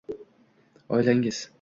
oilangiz